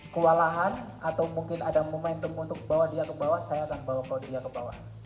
kewalahan atau mungkin ada momentum untuk bawa dia ke bawah saya akan bawa ke dia ke bawah